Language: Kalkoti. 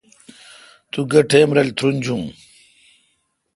توگہ ٹیم رل ترونجون؟